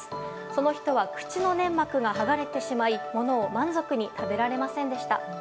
その人は、口の粘膜が剥がれてしまいものを満足に食べられませんでした。